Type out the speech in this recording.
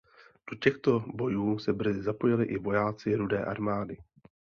Do těchto bojů se brzy zapojili i vojáci Rudé armády.